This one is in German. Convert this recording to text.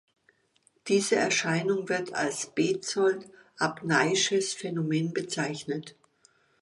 Diese Erscheinung wird als Bezold-Abneysches Phänomen bezeichnet.